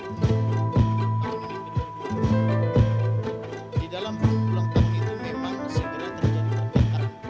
kalau menurut saya di dalam pelengkapan itu memang segera terjadi perbedaan